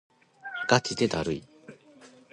がちでだるい